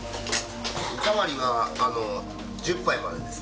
お代わりは１０杯までです。